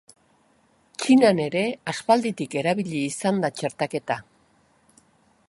Txinan ere aspalditik erabili izan da txertaketa.